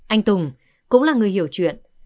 anh tùng cũng là người hiểu chuyện